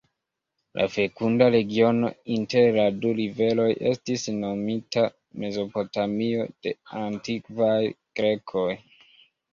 La fekunda regiono inter la du riveroj estis nomita Mezopotamio de antikvaj Grekoj.